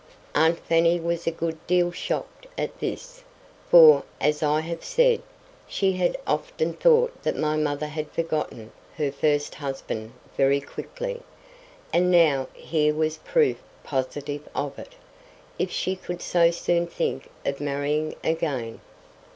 Aunt Fanny was a good deal shocked at this; for, as I have said, she had often thought that my mother had forgotten her first husband very quickly, and now here was proof positive of it, if she could so soon think of marrying again.